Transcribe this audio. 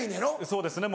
そうですね